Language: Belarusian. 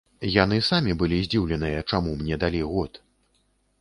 Яны самі былі здзіўленыя, чаму мне далі год.